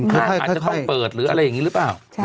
อาจจะต้องเปิดหรืออะไรอย่างนี้หรือเปล่า